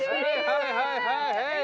はいはいはいヘイ！